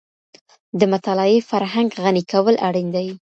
د مطالعې فرهنګ غني کول اړین دي.